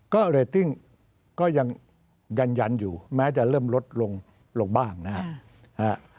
ก็เรตติ้งก็ยังยันยันอยู่แม้จะเริ่มลดลงบ้างนะครับ